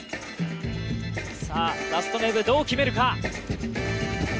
さあ、ラストどう決めるか。